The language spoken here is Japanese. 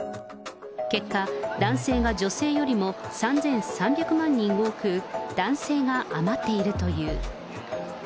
結果、男性が女性よりも３３００万人多く、男性が余っているという。